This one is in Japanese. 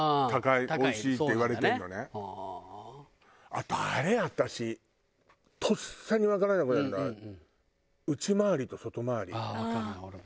あとあれ私とっさにわからなくなるのはああわかる俺も。